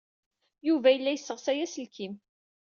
Yuba yella yesseɣsay aselkim.